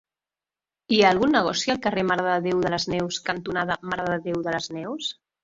Hi ha algun negoci al carrer Mare de Déu de les Neus cantonada Mare de Déu de les Neus?